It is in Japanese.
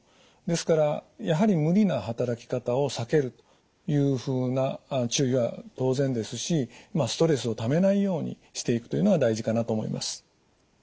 ですからやはり無理な働き方を避けるというふうな注意は当然ですしまあストレスをためないようにしていくというのが大事かなと思います。